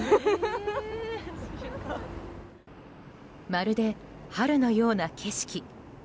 まるで春のような景色。